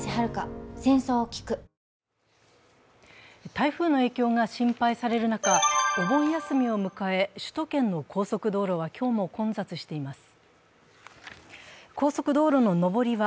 台風の影響が心配される中、お盆休みを迎え、首都圏の高速道路は今日も混雑しています。